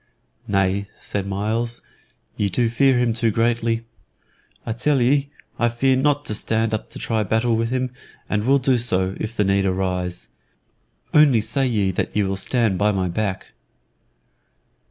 "Nay," said Myles; "ye do fear him too greatly. I tell ye I fear not to stand up to try battle with him and will do so, too, if the need arise. Only say ye that ye will stand by my back."